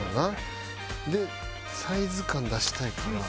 で「サイズ感」出したいから。